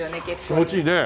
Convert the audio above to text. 気持ちいいね。